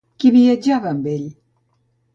Qui viatjava amb ell?